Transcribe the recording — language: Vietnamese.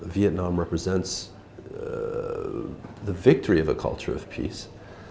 về hà nội trong tương lai